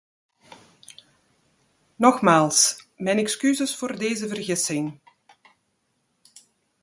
Nogmaals: mijn excuses voor deze vergissing.